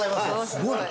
すごいね。